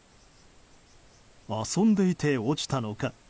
遊んでいて落ちたのか。